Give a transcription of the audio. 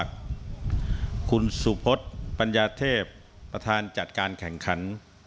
คุณสุพศปัญญาเทพประธานจัดการแข่งขัน